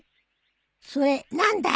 それ何だい？